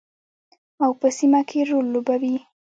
او په سیمه کې رول لوبوي.